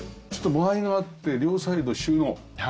ちょっと間合いがあって両サイド収納。